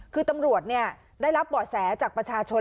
คือตำรวจเนี่ยได้รับบ่อแสจากประชาชน